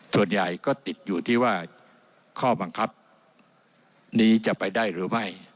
ส่วนใหญ่ก็ติดอยู่ที่ว่าข้อบังคับนี้จะไปได้หรือไม่